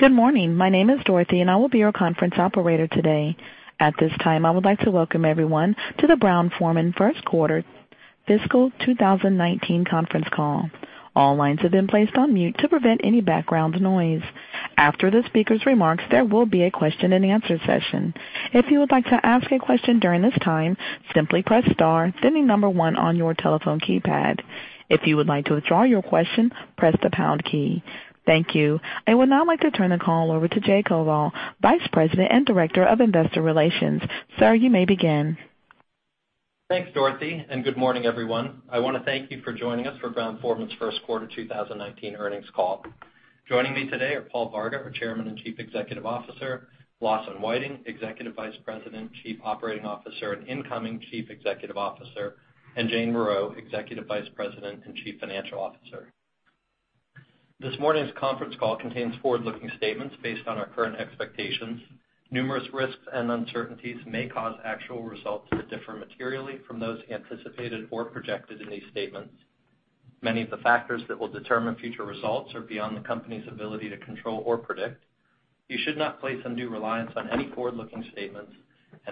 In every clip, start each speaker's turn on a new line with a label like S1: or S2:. S1: Good morning. My name is Dorothy, and I will be your conference operator today. At this time, I would like to welcome everyone to the Brown-Forman First Quarter Fiscal 2019 Conference Call. All lines have been placed on mute to prevent any background noise. After the speaker's remarks, there will be a question and answer session. If you would like to ask a question during this time, simply press star, then the number one on your telephone keypad. If you would like to withdraw your question, press the pound key. Thank you. I would now like to turn the call over to Jay Koval, Vice President and Director of Investor Relations. Sir, you may begin.
S2: Thanks, Dorothy, good morning, everyone. I want to thank you for joining us for Brown-Forman's first quarter 2019 earnings call. Joining me today are Paul Varga, our Chairman and Chief Executive Officer, Lawson Whiting, Executive Vice President, Chief Operating Officer, and incoming Chief Executive Officer, and Jane Morreau, Executive Vice President and Chief Financial Officer. This morning's conference call contains forward-looking statements based on our current expectations. Numerous risks and uncertainties may cause actual results to differ materially from those anticipated or projected in these statements. Many of the factors that will determine future results are beyond the company's ability to control or predict. You should not place undue reliance on any forward-looking statements,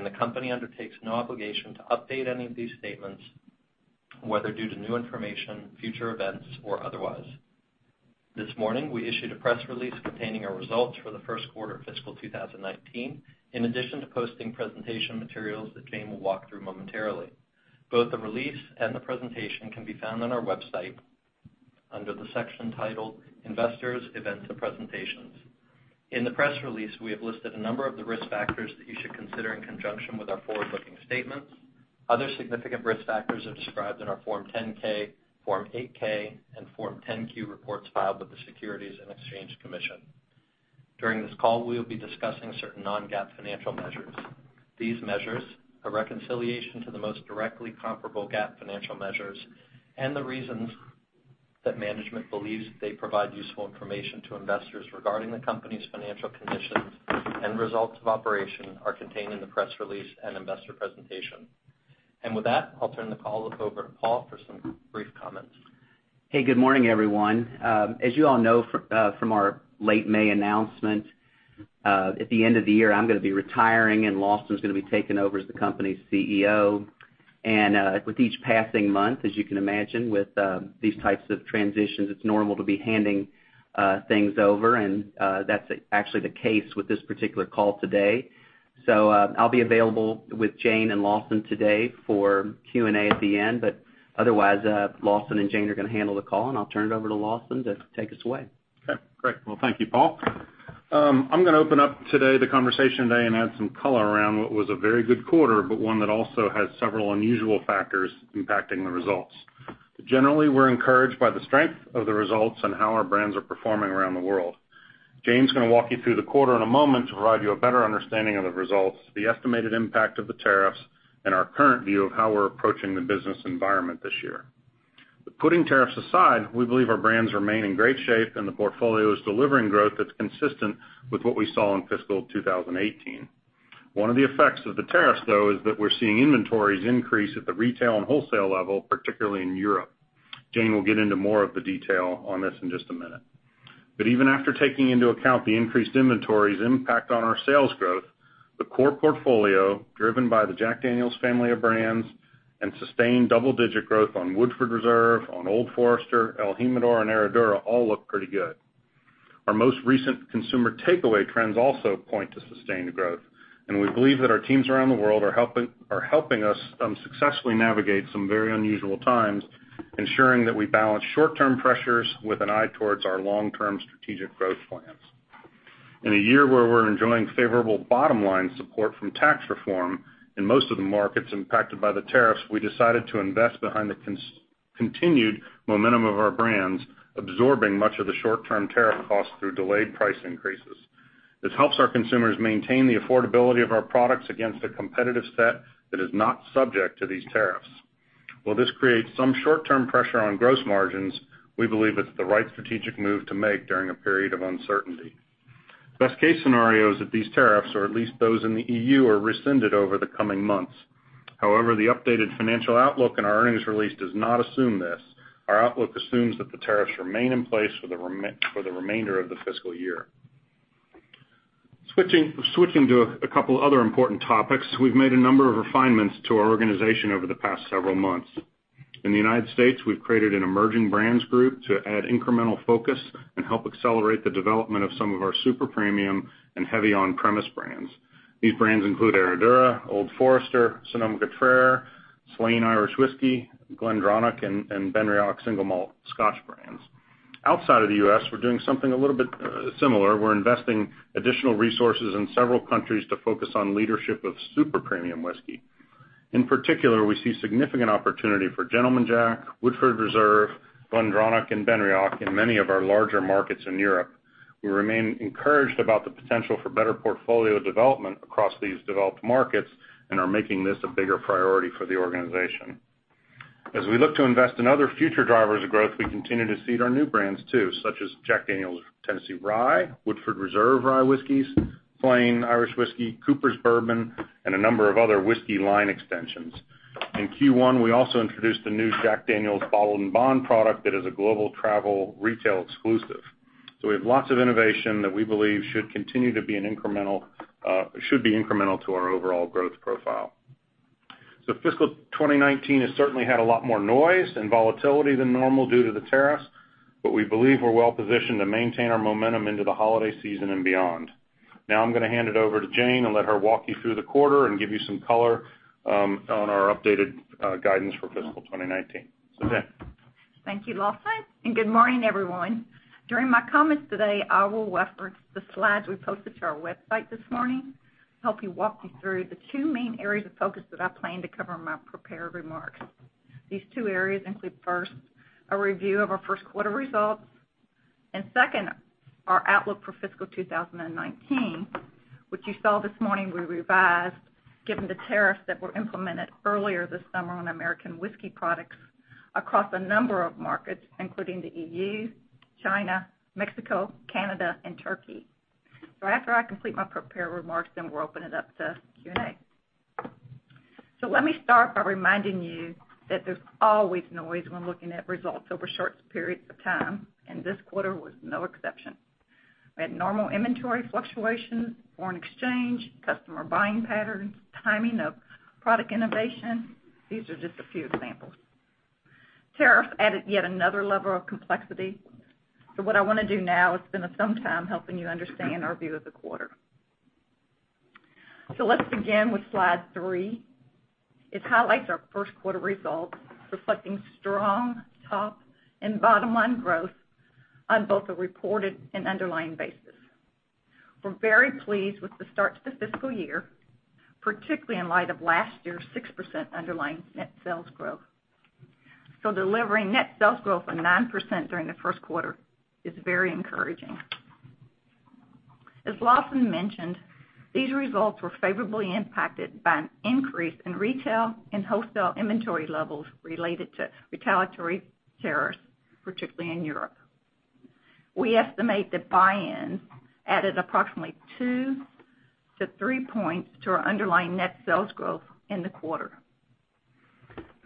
S2: the company undertakes no obligation to update any of these statements, whether due to new information, future events, or otherwise. This morning, we issued a press release containing our results for the first quarter of fiscal 2019, in addition to posting presentation materials that Jane will walk through momentarily. Both the release and the presentation can be found on our website under the section titled Investors Events and Presentations. In the press release, we have listed a number of the risk factors that you should consider in conjunction with our forward-looking statements. Other significant risk factors are described in our Form 10-K, Form 8-K and Form 10-Q reports filed with the Securities and Exchange Commission. During this call, we will be discussing certain non-GAAP financial measures. These measures, a reconciliation to the most directly comparable GAAP financial measures, the reasons that management believes they provide useful information to investors regarding the company's financial conditions and results of operation are contained in the press release and investor presentation. With that, I'll turn the call over to Paul for some brief comments.
S3: Good morning, everyone. As you all know from our late May announcement, at the end of the year, I'm going to be retiring, and Lawson is going to be taking over as the company's CEO. With each passing month, as you can imagine with these types of transitions, it's normal to be handing things over, and that's actually the case with this particular call today. I'll be available with Jane and Lawson today for Q&A at the end, but otherwise, Lawson and Jane are going to handle the call, and I'll turn it over to Lawson to take us away.
S4: Okay, great. Well, thank you, Paul. I'm going to open up today the conversation today and add some color around what was a very good quarter, but one that also has several unusual factors impacting the results. Generally, we're encouraged by the strength of the results and how our brands are performing around the world. Jane's going to walk you through the quarter in a moment to provide you a better understanding of the results, the estimated impact of the tariffs, and our current view of how we're approaching the business environment this year. Putting tariffs aside, we believe our brands remain in great shape and the portfolio is delivering growth that's consistent with what we saw in fiscal 2018. One of the effects of the tariffs, though, is that we're seeing inventories increase at the retail and wholesale level, particularly in Europe. Jane will get into more of the detail on this in just a minute. Even after taking into account the increased inventories' impact on our sales growth, the core portfolio, driven by the Jack Daniel's family of brands and sustained double-digit growth on Woodford Reserve, on Old Forester, el Jimador, and Herradura, all look pretty good. Our most recent consumer takeaway trends also point to sustained growth, and we believe that our teams around the world are helping us successfully navigate some very unusual times, ensuring that we balance short-term pressures with an eye towards our long-term strategic growth plans. In a year where we're enjoying favorable bottom-line support from tax reform in most of the markets impacted by the tariffs, we decided to invest behind the continued momentum of our brands, absorbing much of the short-term tariff costs through delayed price increases. This helps our consumers maintain the affordability of our products against a competitive set that is not subject to these tariffs. While this creates some short-term pressure on gross margins, we believe it's the right strategic move to make during a period of uncertainty. Best case scenario is that these tariffs, or at least those in the EU, are rescinded over the coming months. However, the updated financial outlook in our earnings release does not assume this. Our outlook assumes that the tariffs remain in place for the remainder of the fiscal year. Switching to a couple other important topics, we've made a number of refinements to our organization over the past several months. In the United States, we've created an emerging brands group to add incremental focus and help accelerate the development of some of our super premium and heavy on-premise brands. These brands include Herradura, Old Forester, Sonoma-Cutrer, Slane Irish Whiskey, GlenDronach, and BenRiach Single Malt Scotch brands. Outside of the U.S., we're doing something a little bit similar. We're investing additional resources in several countries to focus on leadership of super premium whiskey. In particular, we see significant opportunity for Gentleman Jack, Woodford Reserve, GlenDronach, and BenRiach in many of our larger markets in Europe. We remain encouraged about the potential for better portfolio development across these developed markets and are making this a bigger priority for the organization. As we look to invest in other future drivers of growth, we continue to seed our new brands, too, such as Jack Daniel's Tennessee Rye, Woodford Reserve Rye Whiskies, Slane Irish Whiskey, Coopers' Craft Bourbon, and a number of other whiskey line extensions. In Q1, we also introduced a new Jack Daniel's Bottled-in-Bond product that is a global travel retail exclusive. We have lots of innovation that we believe should be incremental to our overall growth profile. Fiscal 2019 has certainly had a lot more noise and volatility than normal due to the tariffs, but we believe we're well positioned to maintain our momentum into the holiday season and beyond. I'm going to hand it over to Jane and let her walk you through the quarter and give you some color on our updated guidance for fiscal 2019. Jane.
S5: Thank you, Lawson, and good morning, everyone. During my comments today, I will reference the slides we posted to our website this morning to help me walk you through the two main areas of focus that I plan to cover in my prepared remarks. These two areas include, first, a review of our first quarter results, and second, our outlook for fiscal 2019, which you saw this morning we revised given the tariffs that were implemented earlier this summer on American whiskey products across a number of markets, including the EU, China, Mexico, Canada, and Turkey. After I complete my prepared remarks, then we'll open it up to Q&A. Let me start by reminding you that there's always noise when looking at results over short periods of time, and this quarter was no exception. We had normal inventory fluctuations, foreign exchange, customer buying patterns, timing of product innovation. These are just a few examples. Tariffs added yet another level of complexity. What I want to do now is spend some time helping you understand our view of the quarter. Let's begin with slide three. It highlights our first quarter results, reflecting strong top and bottom-line growth on both a reported and underlying basis. We're very pleased with the start to the fiscal year, particularly in light of last year's 6% underlying net sales growth. Delivering net sales growth for 9% during the first quarter is very encouraging. As Lawson mentioned, these results were favorably impacted by an increase in retail and wholesale inventory levels related to retaliatory tariffs, particularly in Europe. We estimate that buy-ins added approximately 2 to 3 points to our underlying net sales growth in the quarter.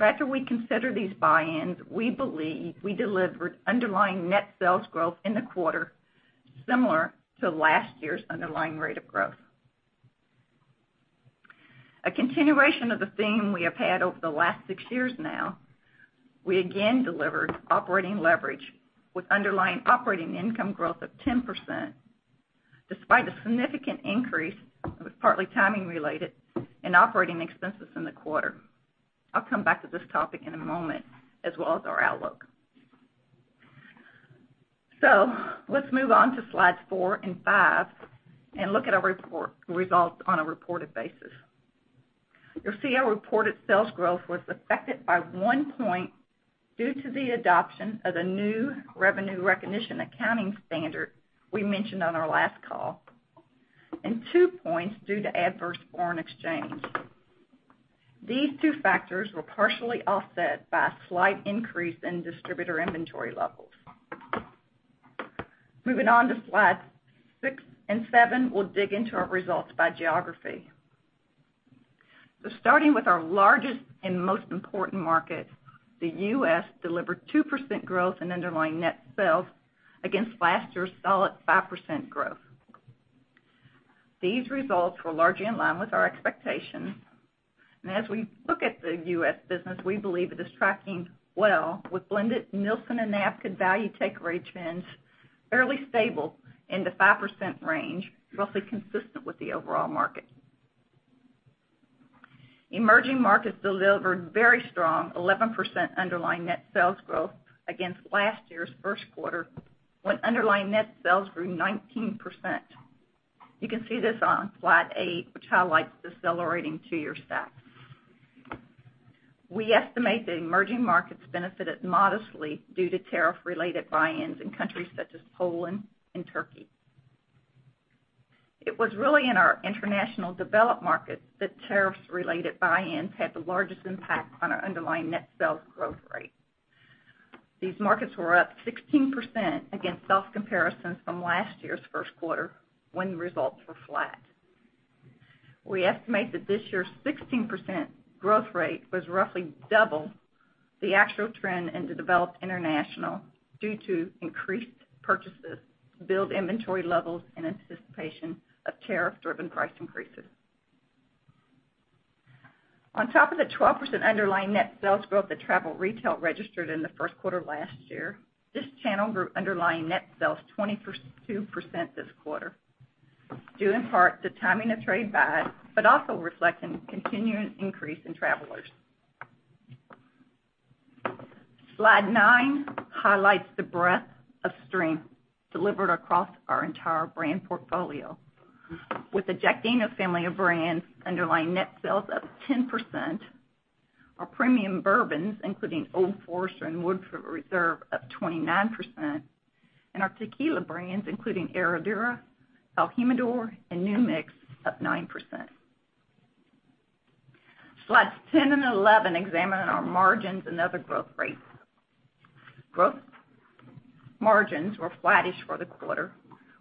S5: After we consider these buy-ins, we believe we delivered underlying net sales growth in the quarter similar to last year's underlying rate of growth. A continuation of the theme we have had over the last six years now, we again delivered operating leverage with underlying operating income growth of 10%, despite a significant increase that was partly timing related in operating expenses in the quarter. I'll come back to this topic in a moment, as well as our outlook. Let's move on to slides four and five and look at our results on a reported basis. You'll see our reported sales growth was affected by one point due to the adoption of the new revenue recognition accounting standard we mentioned on our last call, and two points due to adverse foreign exchange. These two factors were partially offset by a slight increase in distributor inventory levels. Moving on to slides six and seven, we'll dig into our results by geography. Starting with our largest and most important market, the U.S. delivered 2% growth in underlying net sales against last year's solid 5% growth. These results were largely in line with our expectations, and as we look at the U.S. business, we believe it is tracking well with blended Nielsen and NABCA value takeaway trends fairly stable in the 5% range, roughly consistent with the overall market. Emerging markets delivered very strong 11% underlying net sales growth against last year's first quarter, when underlying net sales grew 19%. You can see this on slide eight, which highlights the accelerating two-year stack. We estimate the emerging markets benefited modestly due to tariff-related buy-ins in countries such as Poland and Turkey. It was really in our international developed markets that tariffs-related buy-ins had the largest impact on our underlying net sales growth rate. These markets were up 16% against soft comparisons from last year's first quarter, when results were flat. We estimate that this year's 16% growth rate was roughly double the actual trend in the developed international due to increased purchases to build inventory levels in anticipation of tariff-driven price increases. On top of the 12% underlying net sales growth that travel retail registered in the first quarter of last year, this channel grew underlying net sales 22% this quarter, due in part to timing of trade buys, but also reflecting continuing increase in travelers. Slide nine highlights the breadth of strength delivered across our entire brand portfolio, with the Jack Daniel's family of brands' underlying net sales up 10%, our premium bourbons, including Old Forester and Woodford Reserve up 29%, and our tequila brands, including Herradura, el Jimador, and New Mix, up 9%. Slides 10 and 11 examine our margins and other growth rates. Gross margins were flattish for the quarter,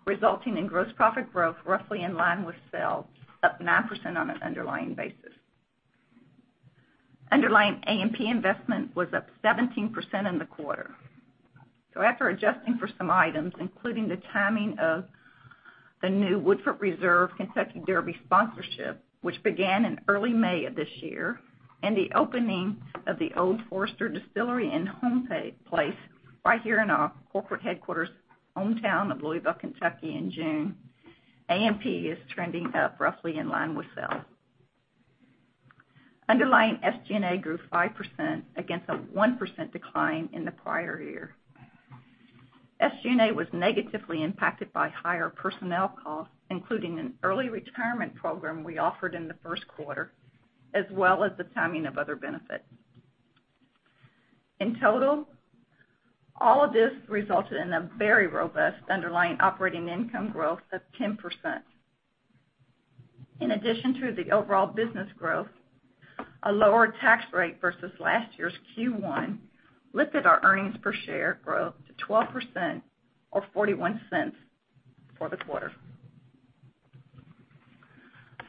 S5: resulting in gross profit growth roughly in line with sales, up 9% on an underlying basis. Underlying A&P investment was up 17% in the quarter. After adjusting for some items, including the timing of the new Woodford Reserve Kentucky Derby sponsorship, which began in early May of this year, and the opening of the Old Forester Distillery and Homeplace right here in our corporate headquarters' hometown of Louisville, Kentucky, in June, A&P is trending up roughly in line with sales. Underlying SG&A grew 5% against a 1% decline in the prior year. SG&A was negatively impacted by higher personnel costs, including an early retirement program we offered in the first quarter, as well as the timing of other benefits. In total, all of this resulted in a very robust underlying operating income growth of 10%. In addition to the overall business growth, a lower tax rate versus last year's Q1 lifted our earnings per share growth to 12% or $0.41 for the quarter.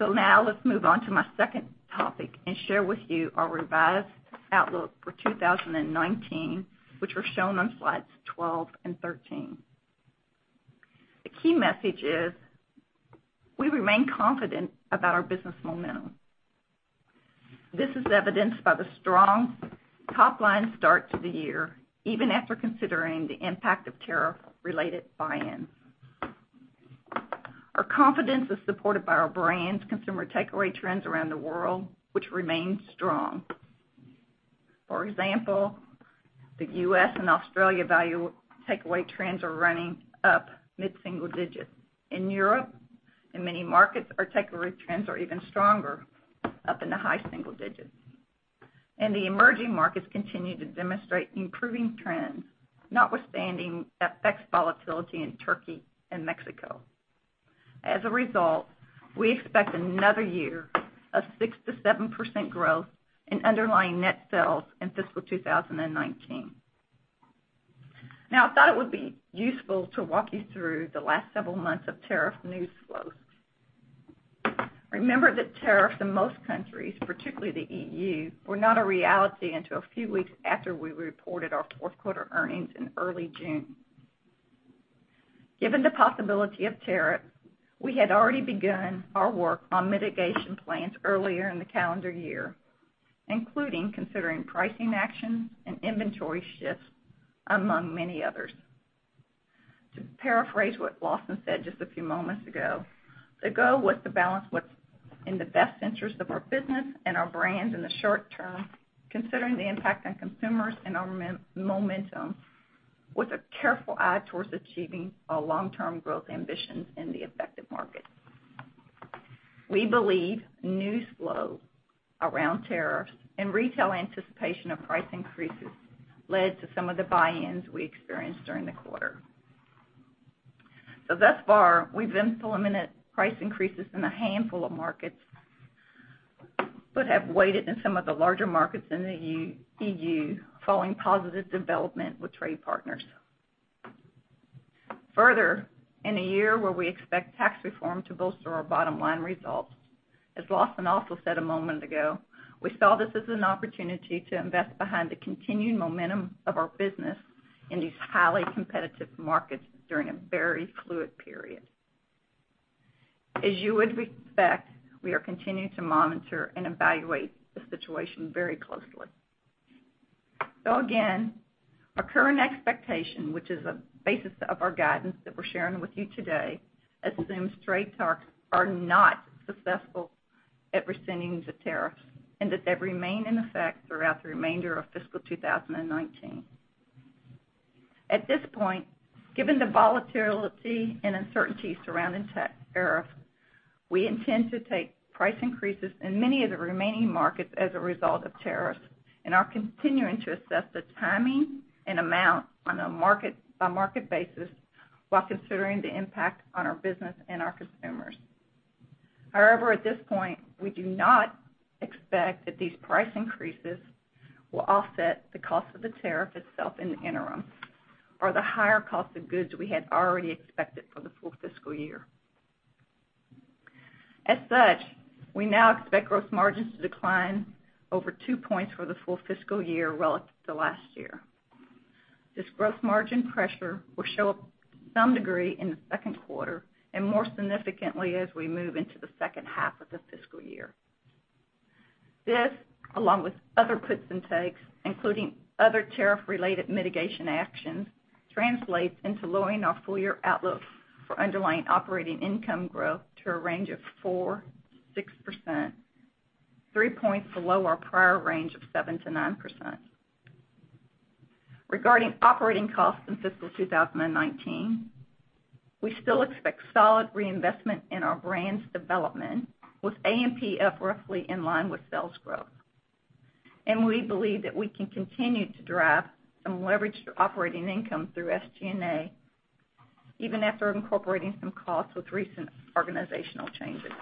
S5: Now let's move on to my second topic and share with you our revised outlook for 2019, which are shown on slides 12 and 13. The key message is we remain confident about our business momentum. This is evidenced by the strong top-line start to the year, even after considering the impact of tariff-related buy-ins. Our confidence is supported by our brands' consumer takeaway trends around the world, which remain strong. For example, the U.S. and Australia value takeaway trends are running up mid-single digits. In Europe, in many markets, our takeaway trends are even stronger, up in the high single digits. The emerging markets continue to demonstrate improving trends, notwithstanding FX volatility in Turkey and Mexico. As a result, we expect another year of 6%-7% growth in underlying net sales in fiscal 2019. I thought it would be useful to walk you through the last several months of tariff news flows. Remember that tariffs in most countries, particularly the EU, were not a reality until a few weeks after we reported our fourth quarter earnings in early June. Given the possibility of tariffs, we had already begun our work on mitigation plans earlier in the calendar year, including considering pricing actions and inventory shifts, among many others. To paraphrase what Lawson said just a few moments ago, the goal was to balance what's in the best interest of our business and our brands in the short term, considering the impact on consumers and our momentum with a careful eye towards achieving our long-term growth ambitions in the affected markets. We believe news flow around tariffs and retail anticipation of price increases led to some of the buy-ins we experienced during the quarter. Thus far, we've implemented price increases in a handful of markets, but have waited in some of the larger markets in the EU, following positive development with trade partners. Further, in a year where we expect tax reform to bolster our bottom line results, as Lawson also said a moment ago, we saw this as an opportunity to invest behind the continued momentum of our business in these highly competitive markets during a very fluid period. As you would expect, we are continuing to monitor and evaluate the situation very closely. Again, our current expectation, which is the basis of our guidance that we're sharing with you today, assumes trade talks are not successful at rescinding the tariffs and that they remain in effect throughout the remainder of fiscal 2019. At this point, given the volatility and uncertainty surrounding tariffs, we intend to take price increases in many of the remaining markets as a result of tariffs and are continuing to assess the timing and amount on a market-by-market basis while considering the impact on our business and our consumers. However, at this point, we do not expect that these price increases will offset the cost of the tariff itself in the interim or the higher cost of goods we had already expected for the full fiscal year. As such, we now expect gross margins to decline over two points for the full fiscal year relative to last year. This gross margin pressure will show up to some degree in the second quarter and more significantly as we move into the second half of the fiscal year. This, along with other gives and takes, including other tariff-related mitigation actions, translates into lowering our full-year outlook for underlying operating income growth to a range of 4%-6%, three points below our prior range of 7%-9%. Regarding operating costs in fiscal 2019, we still expect solid reinvestment in our brands' development, with A&P up roughly in line with sales growth. We believe that we can continue to drive some leverage to operating income through SG&A, even after incorporating some costs with recent organizational changes.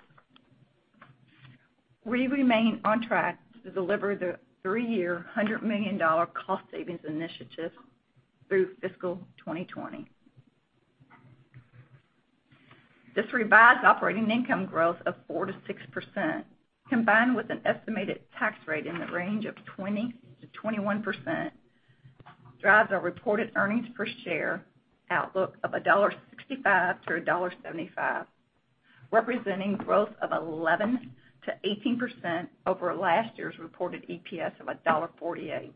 S5: We remain on track to deliver the three-year, $100 million cost savings initiative through fiscal 2020. This revised operating income growth of 4%-6%, combined with an estimated tax rate in the range of 20%-21%, drives our reported earnings per share outlook of $1.65-$1.75, representing growth of 11%-18% over last year's reported EPS of $1.48.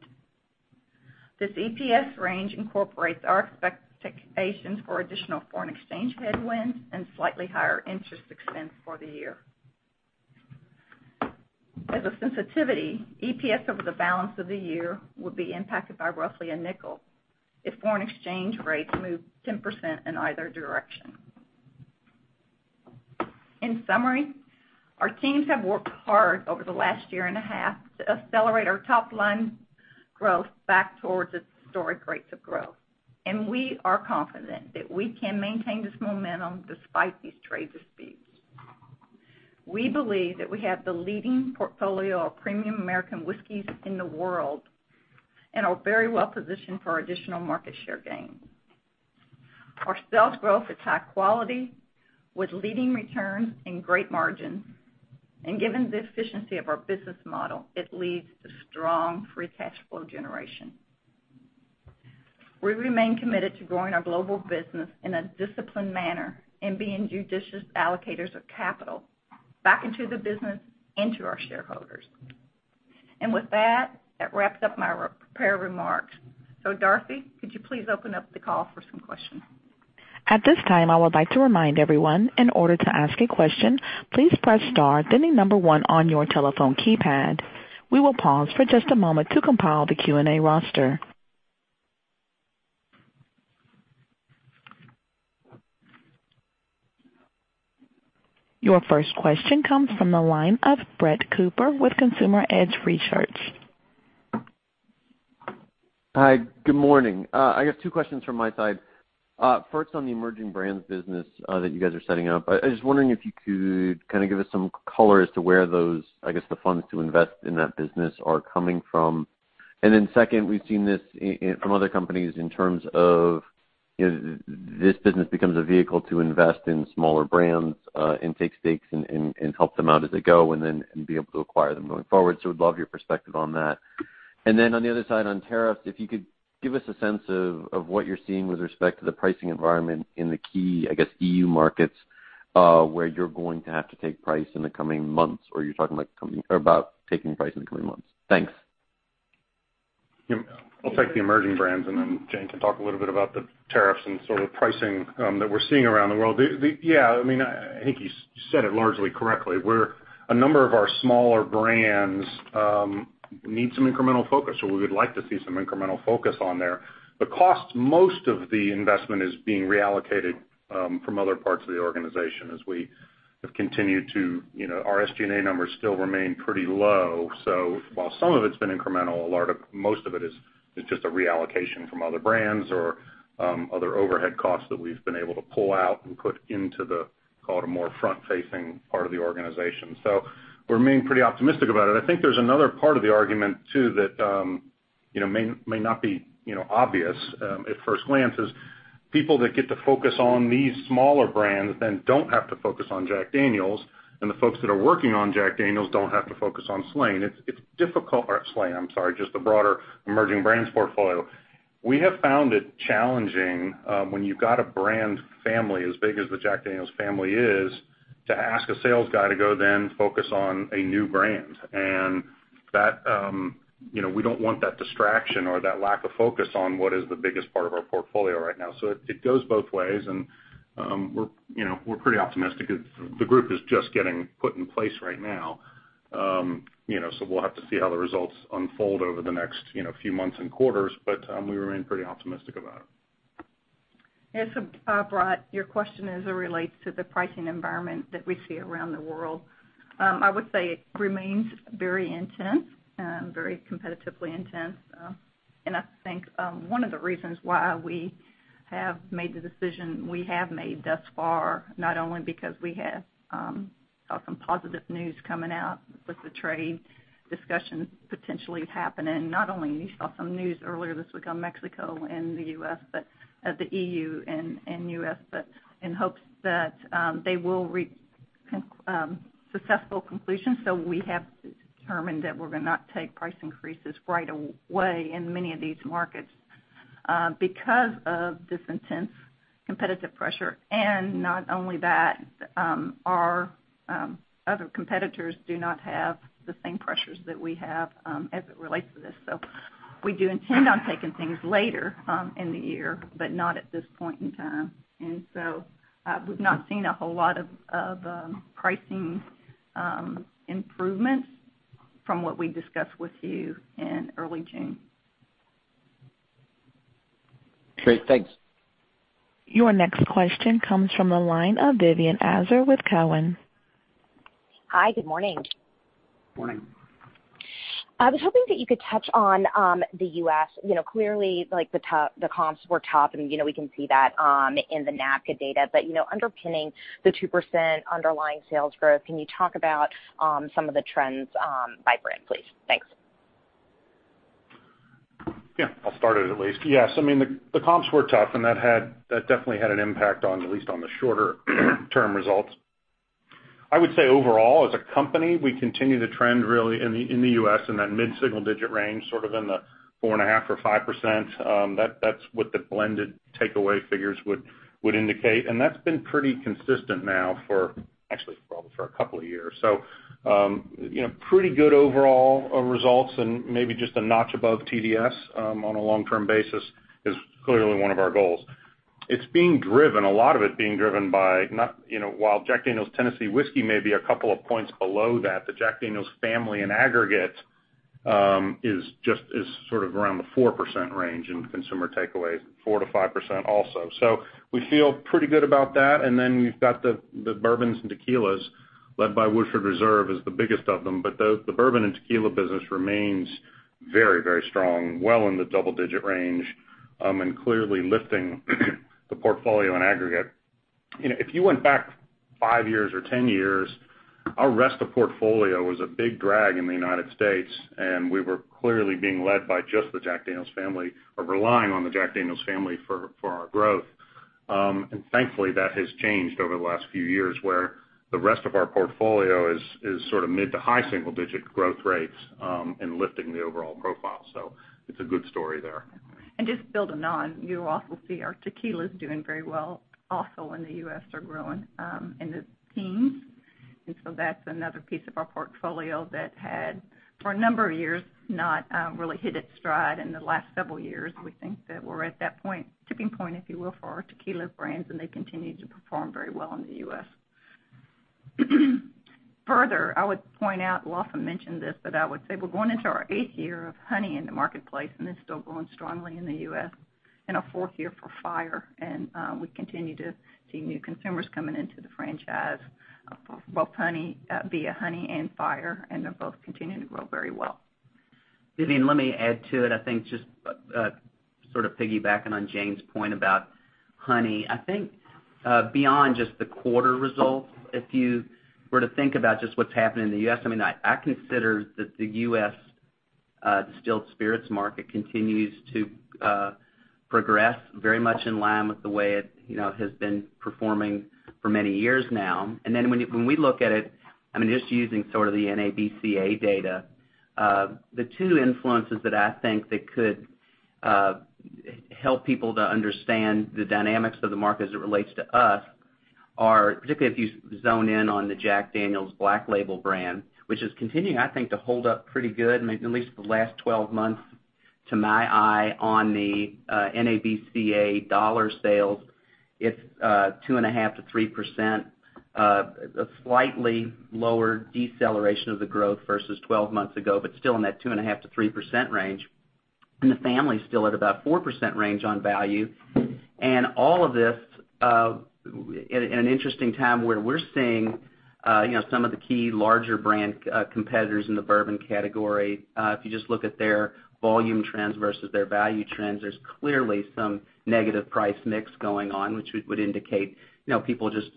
S5: This EPS range incorporates our expectations for additional foreign exchange headwinds and slightly higher interest expense for the year. As a sensitivity, EPS over the balance of the year would be impacted by roughly a nickel if foreign exchange rates move 10% in either direction. In summary, our teams have worked hard over the last year and a half to accelerate our top-line growth back towards its historic rates of growth, and we are confident that we can maintain this momentum despite these trade disputes. We believe that we have the leading portfolio of premium American whiskeys in the world and are very well positioned for additional market share gain. Our sales growth is high quality with leading returns and great margins, and given the efficiency of our business model, it leads to strong free cash flow generation. We remain committed to growing our global business in a disciplined manner and being judicious allocators of capital back into the business and to our shareholders. With that wraps up my prepared remarks. Dorothy, could you please open up the call for some questions?
S1: At this time, I would like to remind everyone, in order to ask a question, please press star, then the number one on your telephone keypad. We will pause for just a moment to compile the Q&A roster. Your first question comes from the line of Brett Cooper with Consumer Edge Research.
S6: Hi. Good morning. I have two questions from my side. First, on the emerging brands business that you guys are setting up, I was just wondering if you could give us some color as to where those, I guess, the funds to invest in that business are coming from. Second, we've seen this from other companies in terms of this business becomes a vehicle to invest in smaller brands, and take stakes and help them out as they go and be able to acquire them going forward. Would love your perspective on that. On the other side on tariffs, if you could give us a sense of what you're seeing with respect to the pricing environment in the key, I guess, EU markets, where you're going to have to take price in the coming months, or you're talking about taking price in the coming months. Thanks.
S4: I'll take the emerging brands, Jane can talk a little bit about the tariffs and sort of pricing that we're seeing around the world. I think you said it largely correctly. A number of our smaller brands need some incremental focus, or we would like to see some incremental focus on there. The cost, most of the investment is being reallocated from other parts of the organization as we have continued to Our SG&A numbers still remain pretty low. While some of it's been incremental, most of it is just a reallocation from other brands or other overhead costs that we've been able to pull out and put into the, call it, a more front-facing part of the organization. We're remaining pretty optimistic about it. I think there's another part of the argument, too, that may not be obvious at first glance, is people that get to focus on these smaller brands then don't have to focus on Jack Daniel's, and the folks that are working on Jack Daniel's don't have to focus on Slane. Slane, I'm sorry, just the broader emerging brands portfolio. We have found it challenging when you've got a brand family as big as the Jack Daniel's family is to ask a sales guy to go then focus on a new brand. We don't want that distraction or that lack of focus on what is the biggest part of our portfolio right now. It goes both ways, and we're pretty optimistic. The group is just getting put in place right now. We'll have to see how the results unfold over the next few months and quarters, but we remain pretty optimistic about it.
S5: Yes, Brett, your question as it relates to the pricing environment that we see around the world. I would say it remains very intense, very competitively intense. I think one of the reasons why we have made the decision we have made thus far, not only because we have saw some positive news coming out with the trade discussions potentially happening, not only you saw some news earlier this week on Mexico and the U.S., but the EU and U.S., but in hopes that they will reach successful conclusion. We have determined that we're going to not take price increases right away in many of these markets because of this intense competitive pressure. Not only that, our other competitors do not have the same pressures that we have as it relates to this. We do intend on taking things later in the year, but not at this point in time. We've not seen a whole lot of pricing improvements from what we discussed with you in early June.
S6: Great. Thanks.
S1: Your next question comes from the line of Vivien Azer with Cowen.
S7: Hi. Good morning.
S4: Morning.
S7: I was hoping that you could touch on the U.S. Clearly, the comps were top, and we can see that in the NABCA data. Underpinning the 2% underlying sales growth, can you talk about some of the trends by brand, please? Thanks.
S4: I'll start it at least. Yes, the comps were tough, and that definitely had an impact, at least on the shorter term results. I would say overall, as a company, we continue to trend really in the U.S. in that mid-single-digit range, sort of in the 4.5% or 5%. That's what the blended takeaway figures would indicate. That's been pretty consistent now for, actually, probably for a couple of years. Pretty good overall results and maybe just a notch above TDS on a long-term basis is clearly one of our goals. A lot of it being driven by, while Jack Daniel's Tennessee Whiskey may be a couple of points below that, the Jack Daniel's family in aggregate is sort of around the 4% range in consumer takeaways, 4%-5% also. We feel pretty good about that. We've got the bourbons and tequilas, led by Woodford Reserve as the biggest of them. The bourbon and tequila business remains very strong, well in the double-digit range, clearly lifting the portfolio in aggregate. If you went back 5 years or 10 years, our rest of portfolio was a big drag in the U.S., we were clearly being led by just the Jack Daniel's family or relying on the Jack Daniel's family for our growth. Thankfully, that has changed over the last few years, where the rest of our portfolio is sort of mid to high single-digit growth rates in lifting the overall profile. It's a good story there.
S5: Just building on, you will also see our tequila is doing very well also in the U.S. They're growing, in the teens. That's another piece of our portfolio that had, for a number of years, not really hit its stride in the last several years. We think that we're at that tipping point, if you will, for our tequila brands, and they continue to perform very well in the U.S. Further, I would point out, Lawson mentioned this, but I would say we're going into our eighth year of Jack Daniel's Tennessee Honey in the marketplace, and it's still going strongly in the U.S., and our fourth year for Jack Daniel's Tennessee Fire, and we continue to see new consumers coming into the franchise, both Jack Daniel's Tennessee Honey, be it Jack Daniel's Tennessee Honey and Jack Daniel's Tennessee Fire, and they're both continuing to grow very well.
S3: Vivien, let me add to it. I think just sort of piggybacking on Jane's point about Jack Daniel's Tennessee Honey. I think, beyond just the quarter results, if you were to think about just what's happening in the U.S., I consider that the U.S. distilled spirits market continues to progress very much in line with the way it has been performing for many years now. When we look at it, just using sort of the NABCA data, the two influences that I think that could help people to understand the dynamics of the market as it relates to us are, particularly if you zone in on the Jack Daniel's Old No. 7 Black Label brand, which is continuing, I think, to hold up pretty good, at least for the last 12 months, to my eye on the NABCA dollar sales. It's 2.5%-3%, a slightly lower deceleration of the growth versus 12 months ago, but still in that 2.5%-3% range. The family's still at about 4% range on value. All of this, in an interesting time where we're seeing some of the key larger brand competitors in the bourbon category. If you just look at their volume trends versus their value trends, there's clearly some negative price mix going on, which would indicate people just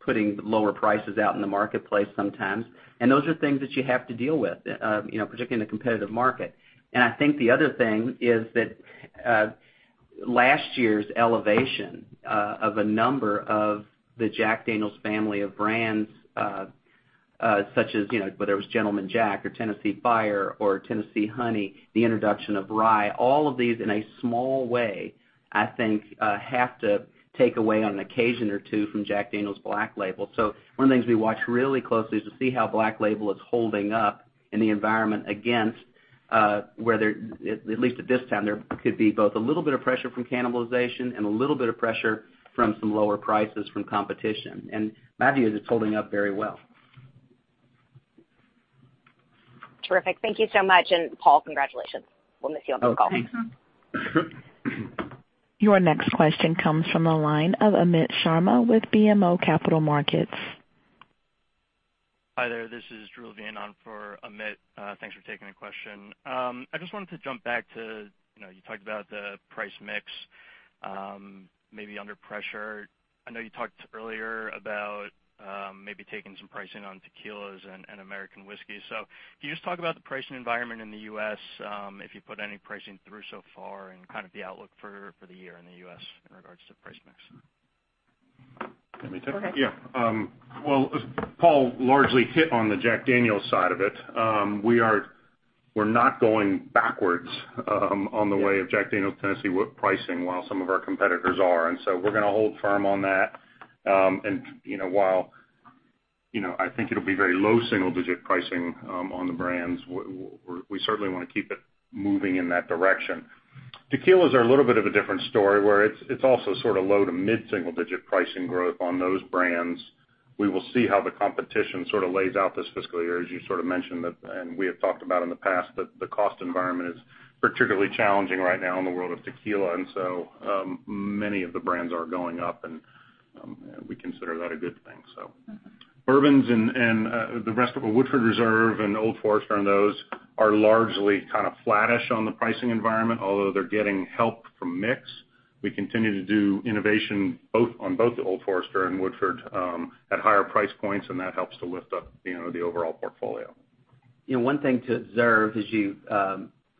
S3: putting lower prices out in the marketplace sometimes. Those are things that you have to deal with, particularly in the competitive market. I think the other thing is that last year's elevation of a number of the Jack Daniel's family of brands, such as, whether it was Gentleman Jack or Tennessee Fire or Tennessee Honey, the introduction of Rye, all of these in a small way, I think, have to take away on occasion or two from Jack Daniel's Black Label. One of the things we watch really closely is to see how Black Label is holding up in the environment against, where there, at least at this time, there could be both a little bit of pressure from cannibalization and a little bit of pressure from some lower prices from competition. My view is it's holding up very well.
S7: Terrific. Thank you so much. Paul, congratulations. We'll miss you on the call.
S3: Oh, thanks.
S1: Your next question comes from the line of Amit Sharma with BMO Capital Markets.
S8: Hi there. This is Drew Levine on for Amit. Thanks for taking the question. I just wanted to jump back to, you talked about the price mix, maybe under pressure. I know you talked earlier about maybe taking some pricing on tequilas and American whiskey. Can you just talk about the pricing environment in the U.S., if you put any pricing through so far and kind of the outlook for the year in the U.S. in regards to price mix?
S4: Let me take that.
S5: Okay.
S4: Yeah. Paul largely hit on the Jack Daniel's side of it. We're not going backwards on the way of Jack Daniel's Tennessee pricing while some of our competitors are. We're going to hold firm on that. While I think it'll be very low single digit pricing on the brands, we certainly want to keep it moving in that direction. Tequilas are a little bit of a different story where it's also sort of low to mid-single digit pricing growth on those brands. We will see how the competition sort of lays out this fiscal year, as you sort of mentioned, and we have talked about in the past, that the cost environment is particularly challenging right now in the world of tequila. Many of the brands are going up, and we consider that a good thing. bourbons and the rest of our Woodford Reserve and Old Forester and those are largely kind of flattish on the pricing environment, although they're getting help from mix. We continue to do innovation on both the Old Forester and Woodford at higher price points, and that helps to lift up the overall portfolio.
S3: One thing to observe as you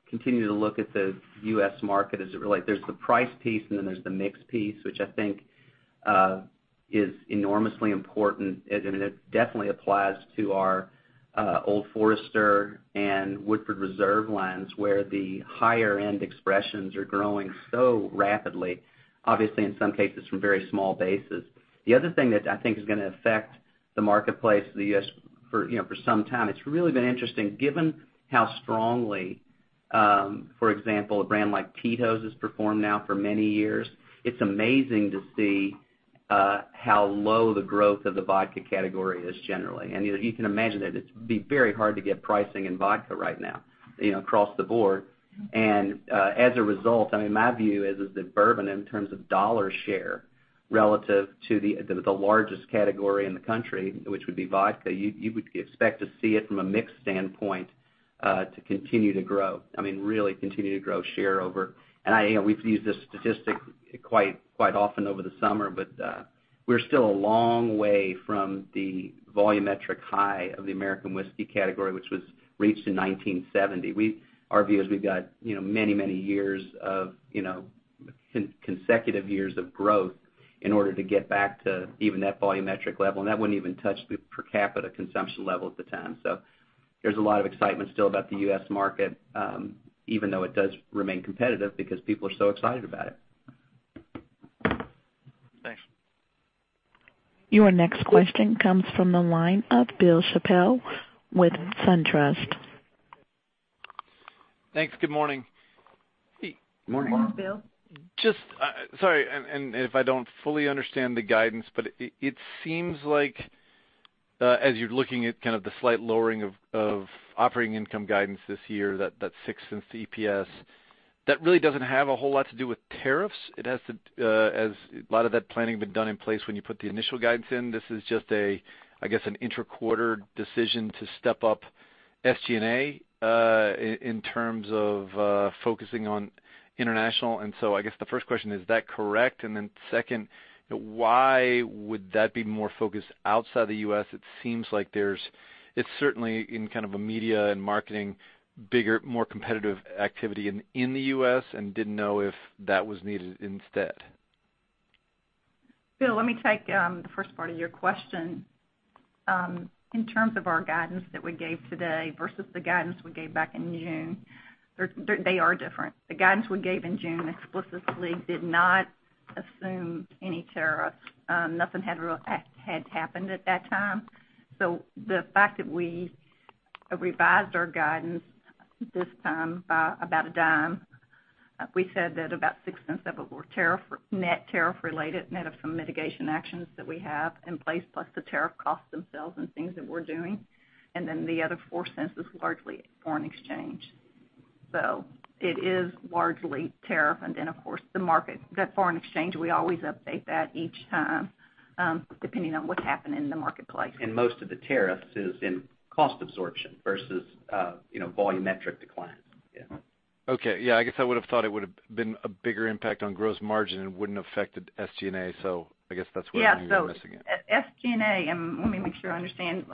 S3: continue to look at the U.S. market, is it really there's the price piece and then there's the mix piece, which I think is enormously important, and it definitely applies to our Old Forester and Woodford Reserve lines, where the higher end expressions are growing so rapidly, obviously, in some cases from very small bases. The other thing that I think is going to affect the marketplace, the U.S., for some time, it's really been interesting given how strongly, for example, a brand like Tito's has performed now for many years. It's amazing to see how low the growth of the vodka category is generally. You can imagine that it'd be very hard to get pricing in vodka right now across the board. As a result, my view is that bourbon, in terms of dollar share relative to the largest category in the country, which would be vodka, you would expect to see it from a mix standpoint, to continue to grow. Really continue to grow share over. We've used this statistic quite often over the summer, but we're still a long way from the volumetric high of the American whiskey category, which was reached in 1970. Our view is we've got many years of consecutive years of growth in order to get back to even that volumetric level, and that wouldn't even touch the per capita consumption level at the time. There's a lot of excitement still about the U.S. market, even though it does remain competitive because people are so excited about it.
S8: Thanks.
S1: Your next question comes from the line of Bill Chappell with SunTrust.
S9: Thanks. Good morning.
S4: Morning.
S3: Morning, Bill.
S9: Sorry, if I don't fully understand the guidance, but it seems like, as you're looking at kind of the slight lowering of operating income guidance this year, that $0.06 EPS, that really doesn't have a whole lot to do with tariffs. It has to, as a lot of that planning had been done in place when you put the initial guidance in. This is just, I guess, an intra-quarter decision to step up SG&A, in terms of focusing on international. I guess the first question, is that correct? Second, why would that be more focused outside the U.S.? It seems like there's, it's certainly in kind of a media and marketing, bigger, more competitive activity in the U.S. and didn't know if that was needed instead?
S5: Bill, let me take the first part of your question. In terms of our guidance that we gave today versus the guidance we gave back in June, they are different. The guidance we gave in June explicitly did not assume any tariff. Nothing had happened at that time. The fact that we revised our guidance this time by about $0.10, we said that about $0.06 of it were net tariff related, net of some mitigation actions that we have in place, plus the tariff costs themselves and things that we're doing. The other $0.04 is largely foreign exchange. It is largely tariff, and then, of course, the market, that foreign exchange, we always update that each time, depending on what's happening in the marketplace.
S3: Most of the tariffs is in cost absorption versus volumetric decline. Yeah.
S9: Okay. Yeah, I guess I would've thought it would've been a bigger impact on gross margin and wouldn't affected SG&A, I guess that's where I may be missing it.
S5: Yeah. At SG&A, let me make sure I understand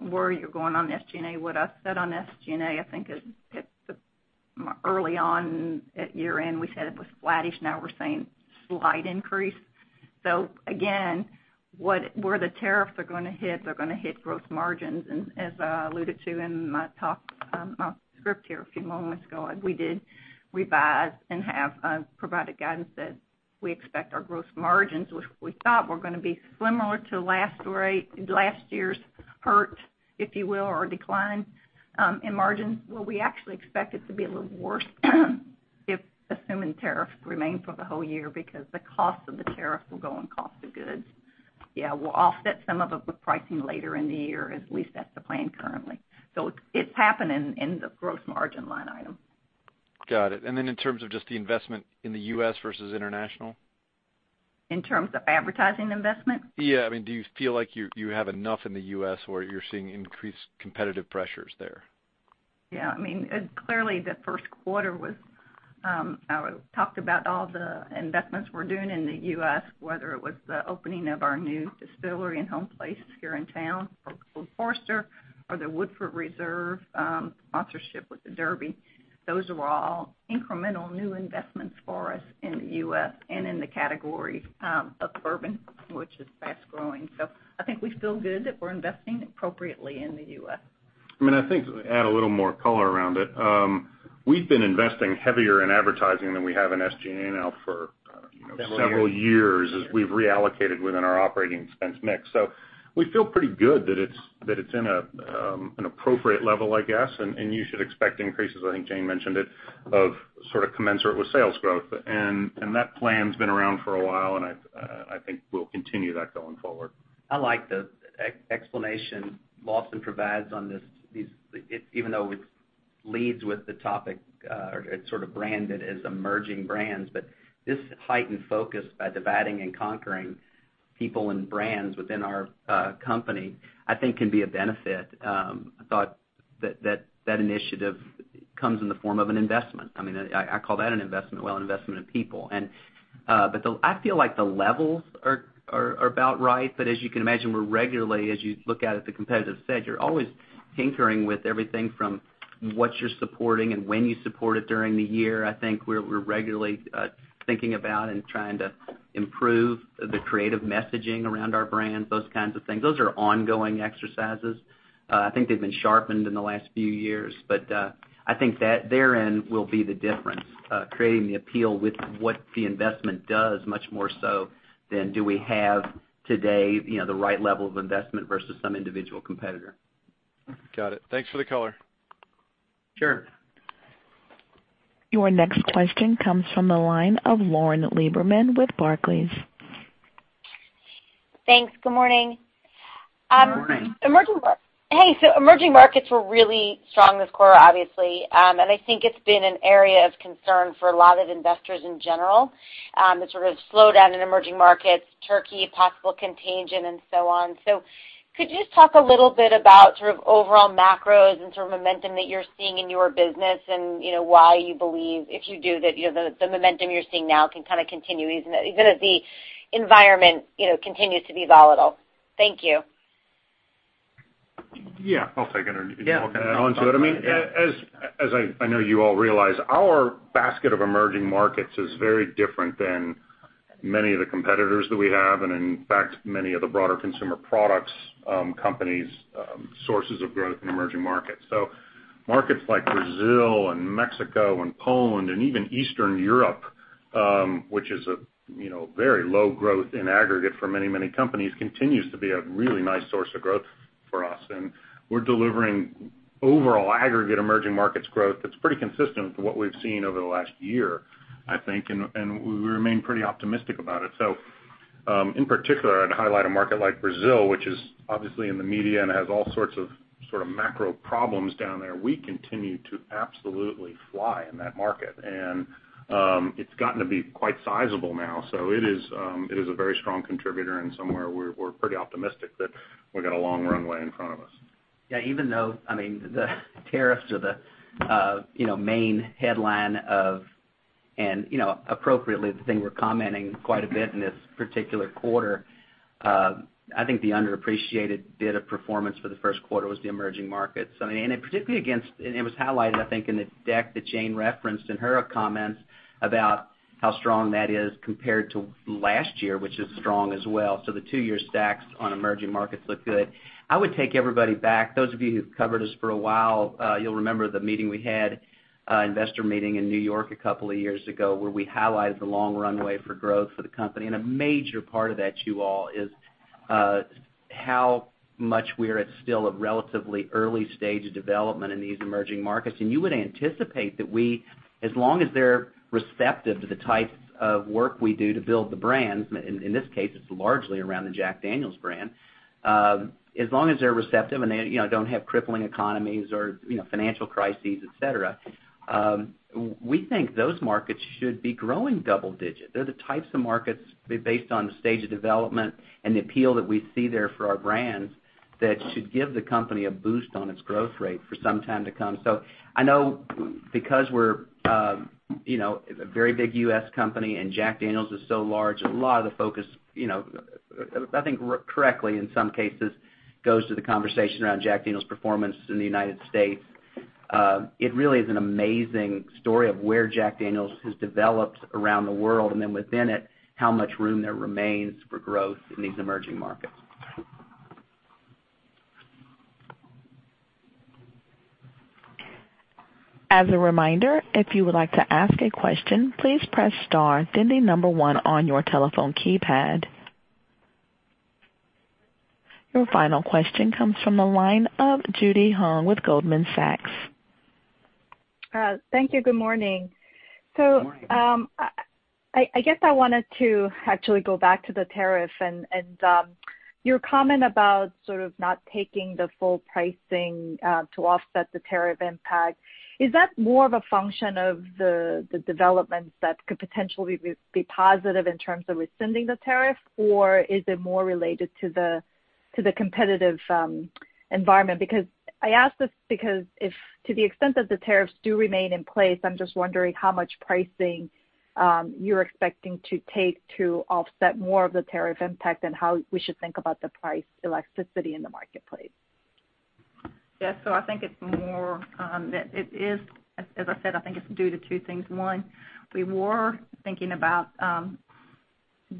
S5: where you're going on SG&A. What I said on SG&A, I think, is early on at year-end, we said it was flattish, now we're saying slight increase. Again, where the tariffs are going to hit, they're going to hit gross margins. As I alluded to in my talk, my script here a few moments ago, we did revise and have provided guidance that we expect our gross margins, which we thought were going to be similar to last year's hurt, if you will, or decline, in margins. Well, we actually expect it to be a little worse if assuming tariffs remain for the whole year because the cost of the tariff will go on cost of goods. Yeah, we'll offset some of it with pricing later in the year, at least that's the plan currently. It's happening in the gross margin line item.
S9: Got it. Then in terms of just the investment in the U.S. versus international?
S5: In terms of advertising investment?
S9: Yeah. Do you feel like you have enough in the U.S. or you're seeing increased competitive pressures there?
S5: Yeah. Clearly, the first quarter was, I talked about all the investments we're doing in the U.S., whether it was the opening of our new distillery and homeplace here in town for Old Forester or the Woodford Reserve sponsorship with the Derby. Those were all incremental new investments for us in the U.S. and in the category of bourbon, which is fast-growing. I think we feel good that we're investing appropriately in the U.S.
S4: I think to add a little more color around it. We've been investing heavier in advertising than we have in SG&A now for several years as we've reallocated within our operating expense mix. We feel pretty good that it's in an appropriate level, I guess. You should expect increases, I think Jane mentioned it, of sort of commensurate with sales growth. That plan's been around for a while, and I think we'll continue that going forward.
S3: I like the explanation Lawson provides on this, even though it leads with the topic, or it's sort of branded as emerging brands. This heightened focus by dividing and conquering people and brands within our company, I think, can be a benefit. I thought That initiative comes in the form of an investment. I call that an investment, well, an investment in people. I feel like the levels are about right. As you can imagine, we're regularly, as you look out at the competitive set, you're always tinkering with everything from what you're supporting and when you support it during the year. I think we're regularly thinking about and trying to improve the creative messaging around our brands, those kinds of things. Those are ongoing exercises. I think they've been sharpened in the last few years, but I think that therein will be the difference, creating the appeal with what the investment does, much more so than do we have today the right level of investment versus some individual competitor.
S9: Got it. Thanks for the color.
S3: Sure.
S1: Your next question comes from the line of Lauren Lieberman with Barclays.
S10: Thanks. Good morning.
S3: Good morning.
S10: Hey. Emerging markets were really strong this quarter, obviously. I think it's been an area of concern for a lot of investors in general, the sort of slowdown in emerging markets, Turkey, possible contagion and so on. Could you just talk a little bit about sort of overall macros and sort of momentum that you're seeing in your business and why you believe, if you do, that the momentum you're seeing now can continue, even as the environment continues to be volatile? Thank you.
S4: Yeah. I'll take it. You can all kind of talk about it.
S3: Yeah.
S4: As I know you all realize, our basket of emerging markets is very different than many of the competitors that we have and in fact, many of the broader consumer products companies' sources of growth in emerging markets. Markets like Brazil and Mexico and Poland and even Eastern Europe, which is a very low growth in aggregate for many companies, continues to be a really nice source of growth for us. We're delivering overall aggregate emerging markets growth that's pretty consistent with what we've seen over the last year, I think, and we remain pretty optimistic about it. In particular, I'd highlight a market like Brazil, which is obviously in the media and has all sorts of macro problems down there. We continue to absolutely fly in that market. It's gotten to be quite sizable now. It is a very strong contributor and somewhere we're pretty optimistic that we've got a long runway in front of us.
S3: Yeah. The tariffs are the main headline of, and appropriately, the thing we're commenting quite a bit in this particular quarter. I think the underappreciated bit of performance for the first quarter was the emerging markets. It was highlighted, I think, in the deck that Jane referenced in her comments about how strong that is compared to last year, which is strong as well. The two-year stacks on emerging markets look good. I would take everybody back. Those of you who've covered us for a while, you'll remember the meeting we had, investor meeting in New York a couple of years ago, where we highlighted the long runway for growth for the company. A major part of that to you all is how much we are at still a relatively early stage of development in these emerging markets. You would anticipate that as long as they're receptive to the types of work we do to build the brands, in this case, it's largely around the Jack Daniel's brand. As long as they're receptive and they don't have crippling economies or financial crises, et cetera, we think those markets should be growing double-digit. They're the types of markets based on the stage of development and the appeal that we see there for our brands that should give the company a boost on its growth rate for some time to come. I know because we're a very big U.S. company and Jack Daniel's is so large, a lot of the focus, I think correctly in some cases, goes to the conversation around Jack Daniel's performance in the United States. It really is an amazing story of where Jack Daniel's has developed around the world, and then within it, how much room there remains for growth in these emerging markets.
S1: As a reminder, if you would like to ask a question, please press star, then the number 1 on your telephone keypad. Your final question comes from the line of Judy Hong with Goldman Sachs.
S11: Thank you. Good morning.
S3: Good morning.
S11: I guess I wanted to actually go back to the tariff and your comment about sort of not taking the full pricing to offset the tariff impact. Is that more of a function of the developments that could potentially be positive in terms of rescinding the tariff, or is it more related to the competitive environment? I ask this because if to the extent that the tariffs do remain in place, I'm just wondering how much pricing you're expecting to take to offset more of the tariff impact and how we should think about the price elasticity in the marketplace.
S5: Yeah. I think it's more that it is, as I said, I think it's due to two things. One, we were thinking about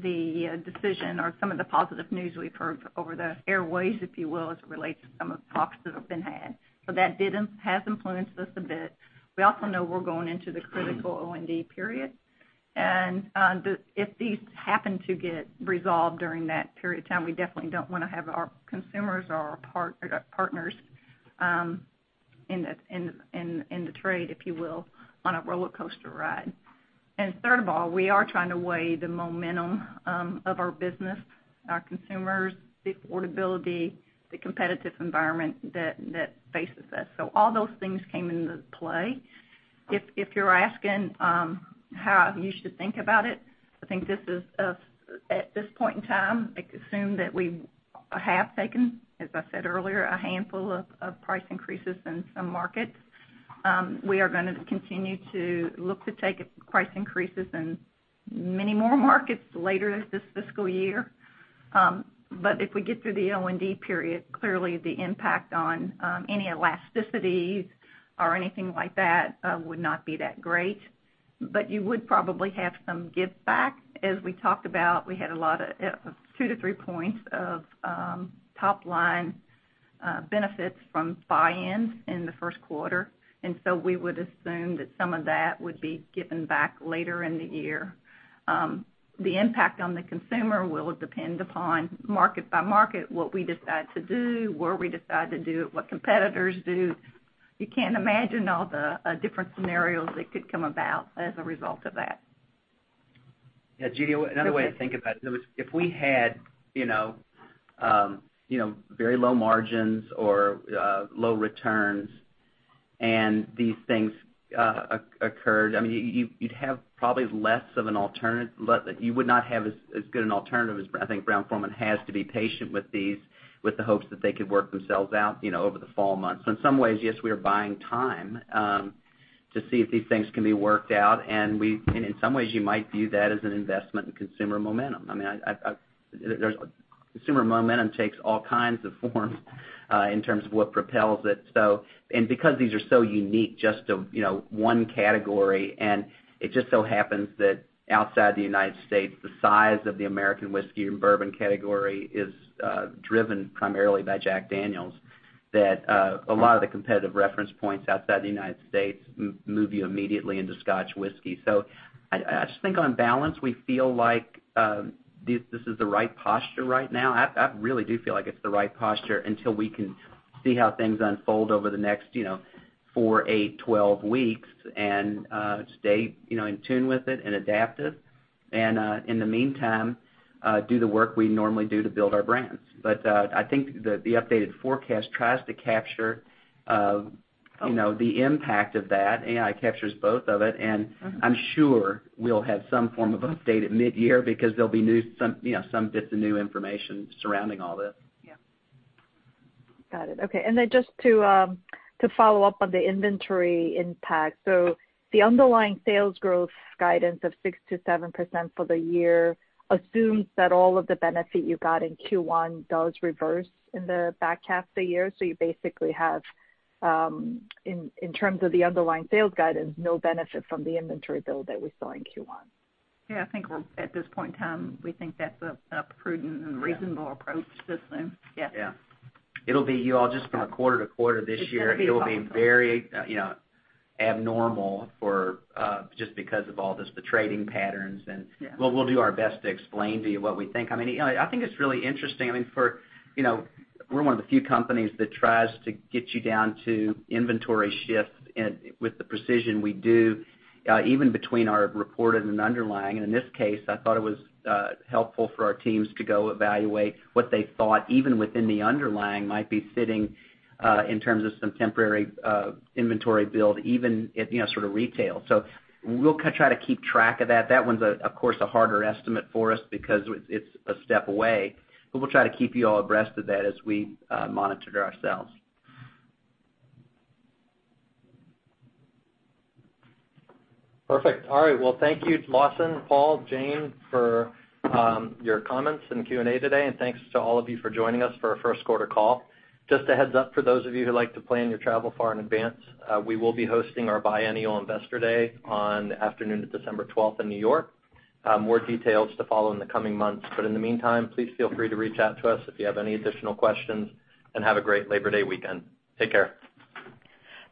S5: the decision or some of the positive news we've heard over the airwaves, if you will, as it relates to some of the talks that have been had. That has influenced us a bit. We also know we're going into the critical OND period. If these happen to get resolved during that period of time, we definitely don't want to have our consumers or our partners in the trade, if you will, on a roller coaster ride. Third of all, we are trying to weigh the momentum of our business, our consumers, the affordability, the competitive environment that faces us. All those things came into play. If you're asking how you should think about it, I think at this point in time, assume that we have taken, as I said earlier, a handful of price increases in some markets. We are going to continue to look to take price increases in many more markets later this fiscal year. If we get through the OND period, clearly the impact on any elasticities or anything like that would not be that great. You would probably have some give back. As we talked about, we had two to three points of top-line benefits from buy-ins in the first quarter, we would assume that some of that would be given back later in the year. The impact on the consumer will depend upon market by market, what we decide to do, where we decide to do it, what competitors do. You can't imagine all the different scenarios that could come about as a result of that.
S3: Yeah, Judy, another way to think about it, if we had very low margins or low returns and these things occurred, you would not have as good an alternative as, I think Brown-Forman has to be patient with these, with the hopes that they could work themselves out over the fall months. In some ways, yes, we are buying time to see if these things can be worked out, and in some ways you might view that as an investment in consumer momentum. Consumer momentum takes all kinds of forms in terms of what propels it. Because these are so unique, just one category, and it just so happens that outside the United States, the size of the American whiskey and bourbon category is driven primarily by Jack Daniel's, that a lot of the competitive reference points outside the United States move you immediately into Scotch whisky. I just think on balance, we feel like this is the right posture right now. I really do feel like it's the right posture until we can see how things unfold over the next four, eight, 12 weeks and stay in tune with it and adaptive. In the meantime, do the work we normally do to build our brands. I think that the updated forecast tries to capture the impact of that, and it captures both of it, and I'm sure we'll have some form of update at mid-year because there'll be some bits of new information surrounding all this.
S11: Yeah. Got it. Just to follow up on the inventory impact. The underlying sales growth guidance of 6% to 7% for the year assumes that all of the benefit you got in Q1 does reverse in the back half of the year. You basically have, in terms of the underlying sales guidance, no benefit from the inventory build that we saw in Q1.
S5: Yeah, I think at this point in time, we think that's a prudent and reasonable approach to assume. Yes.
S3: Yeah. It'll be, you all, just from quarter to quarter this year.
S5: It's going to be volatile.
S3: It'll be very abnormal just because of all the trading patterns and.
S5: Yeah
S3: well, we'll do our best to explain to you what we think. I think it's really interesting. We're one of the few companies that tries to get you down to inventory shifts with the precision we do, even between our reported and underlying. In this case, I thought it was helpful for our teams to go evaluate what they thought, even within the underlying, might be sitting in terms of some temporary inventory build, even at retail. We'll try to keep track of that. That one's, of course, a harder estimate for us because it's a step away, but we'll try to keep you all abreast of that as we monitor it ourselves.
S2: Perfect. All right. Well, thank you, Lawson, Paul, Jane, for your comments and Q&A today, and thanks to all of you for joining us for our first quarter call. Just a heads up for those of you who like to plan your travel far in advance, we will be hosting our biennial investor day on the afternoon of December 12th in New York. More details to follow in the coming months, but in the meantime, please feel free to reach out to us if you have any additional questions, and have a great Labor Day weekend. Take care.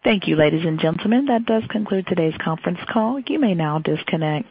S1: Thank you, ladies and gentlemen. That does conclude today's conference call. You may now disconnect.